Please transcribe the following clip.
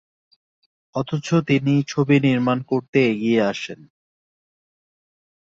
অথচ তিনি ছবি নির্মাণ করতে এগিয়ে আসেন।